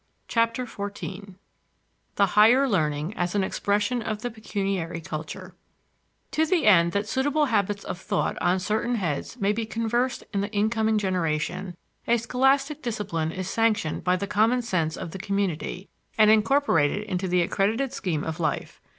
Chapter Fourteen ~~ The Higher Learning as an Expression of the Pecuniary Culture To the end that suitable habits of thought on certain heads may be conserved in the incoming generation, a scholastic discipline is sanctioned by the common sense of the community and incorporated into the accredited scheme of life.